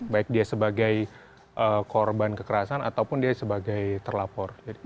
baik dia sebagai korban kekerasan ataupun dia sebagai terlapor